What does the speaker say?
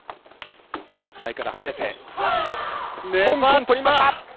台から離れて香港、取りました！